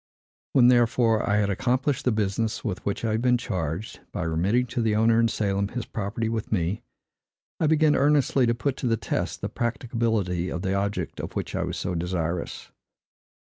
When, therefore, I had accomplished the business with which I had been charged, by remitting to the owner in Salem his property with me, I began earnestly to put to the test the practicability of the object of which I was so desirous.